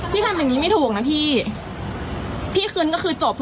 วันไหร่จะเคลียร์ละ